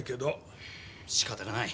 しかたがない。